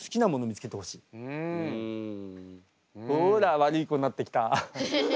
ほら悪い子になってきた。